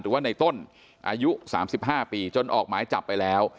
หรือว่าในต้นอายุ๓๕ปีจนออกหมายจับไปแล้ว